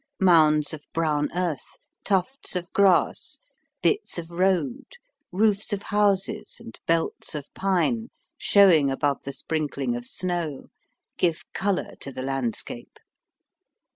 Mounds of brown earth, tufts of grass, bits of road, roofs of houses, and belts of pine showing above the sprinkling of snow, give colour to the landscape.